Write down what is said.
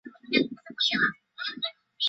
体现党中央最新精神